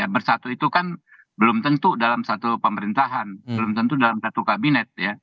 bersatu itu kan belum tentu dalam satu pemerintahan belum tentu dalam satu kabinet ya